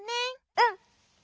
うん！